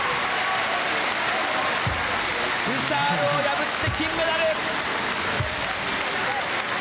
ブシャールを破って金メダル！